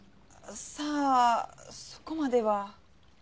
さあそこまでは。